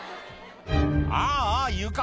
「ああ床